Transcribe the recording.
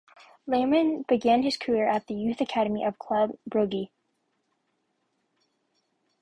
Lammens began his career at the youth academy of Club Brugge.